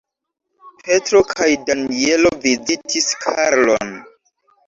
Petro kaj Danjelo vizitis Karlon.